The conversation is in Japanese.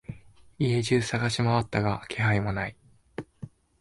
家中探しまわったが気配もない。